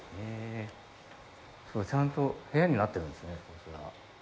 ちゃんと部屋になっているんですね。